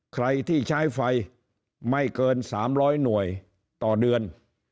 ใครที่ใช้ไฟไม่เกิน๓๐๐หน่วยต่อเดือน